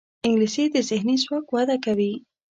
انګلیسي د ذهني ځواک وده کوي